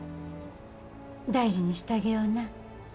大事にしたげよな。